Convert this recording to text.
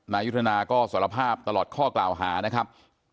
ยุทธนาก็สารภาพตลอดข้อกล่าวหานะครับ